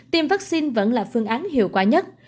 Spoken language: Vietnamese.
tiêm vaccine vẫn là phương án hiệu quả nhất